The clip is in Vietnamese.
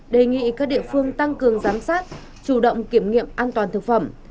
đề nghị các địa phương tăng cường giám sát chủ động kiểm nghiệm an toàn thực phẩm